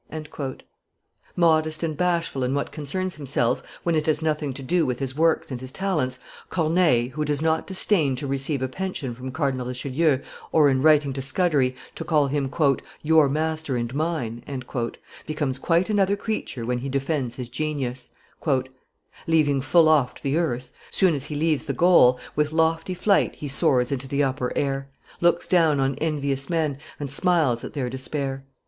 Modest and bashfnl in what concerns himself, when it has nothing to do with his works and his talents, Corneille, who does not disdain to receive a pension from Cardinal Richelieu, or, in writing to Scudery, to call him "your master and and mine," becomes quite another creature when he defends his genius: "Leaving full oft the earth, soon as he leaves the goal, With lofty flight he soars into the upper air, Looks down on envious men, and smiles at their despair."